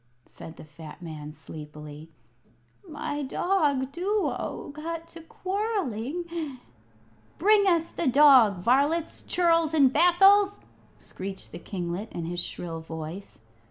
said the fat man, sleepily. "My dog Duo got to quarrelling " "Bring us the dog, varlets, churls, and vassals!" screeched the kinglet, in his shrill voice.